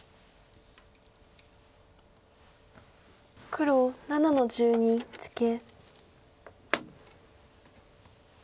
黒７の十二ツケ。